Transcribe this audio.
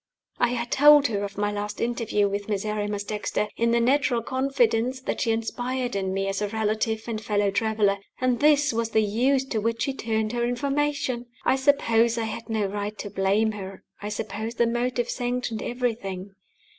I had told her of my last interview with Miserrimus Dexter, in the natural confidence that she inspired in me as relative and fellow traveler; and this was the use to which she turned her information! I suppose I had no right to blame her; I suppose the motive sanctioned everything.